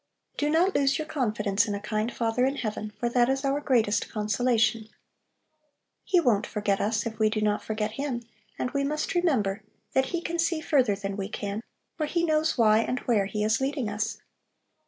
"Do not lose your confidence in a kind Father in Heaven, for that is our greatest consolation. He won't forget us, if we do not forget Him, and we must remember that He can see further than we can, for He knows why and where He is leading us.